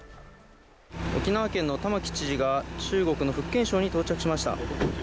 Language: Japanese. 沖縄県の玉城知事が中国の福建省に到着しました。